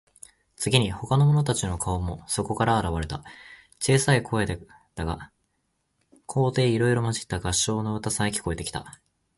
次に、ほかの者たちの顔もそこから現われた。小さい声でだが、高低いろいろまじった合唱の歌さえ、聞こえてきた。